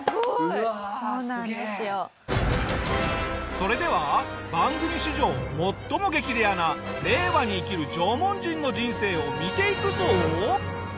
それでは番組史上最も激レアな令和に生きる縄文人の人生を見ていくぞ！